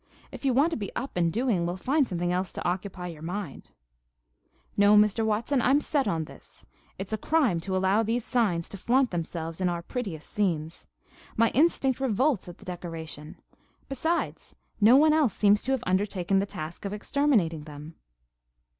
If you want to be up and doing we'll find something else to occupy your mind." "No, Mr. Watson; I'm set on this. It's a crime to allow these signs to flaunt themselves in our prettiest scenes. My instinct revolts at the desecration. Besides, no one else seems to have undertaken the task of exterminating them."